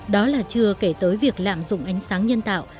đó là chưa kể tới việc lạm dụng ánh sáng nhân tạo